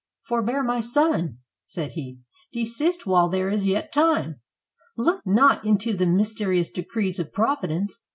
"Forbear, my son," said he; "desist while there is yet time. Look not into the mys terious decrees of Providence.